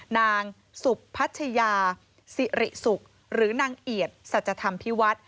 นางสุพัชยาสิริสุขหรือนางเอียดสัจธรรมพิวัฒน์